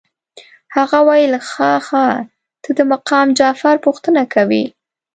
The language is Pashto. هغه ویل ښه ښه ته د مقام جعفر پوښتنه کوې.